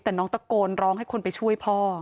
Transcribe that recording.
แต่น้องตะโกนร้องให้คนไปช่วยพ่อ